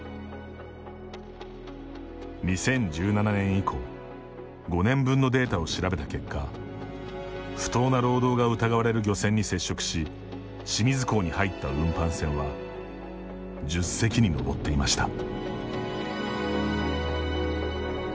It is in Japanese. ２０１７年以降５年分のデータを調べた結果不当な労働が疑われる漁船に接触し清水港に入った運搬船は１０隻に上っていました。